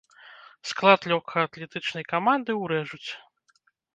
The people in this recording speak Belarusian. Склад лёгкаатлетычнай каманды ўрэжуць.